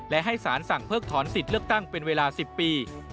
และให้สารสั่งเพิกถอนสิทธิ์เลือกตั้งเป็นเวลา๑๐ปี